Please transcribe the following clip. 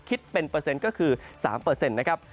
คิดเป็นเปอร์เซ็นต์ก็คือ๓นะครับ